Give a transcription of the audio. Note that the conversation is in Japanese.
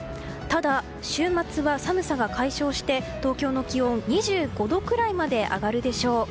ただ、週末は寒さが解消して東京の気温、２５度くらいまで上がるでしょう。